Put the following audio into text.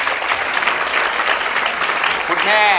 ขอบคุณครับ